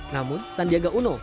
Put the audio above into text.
namun sandiaga uno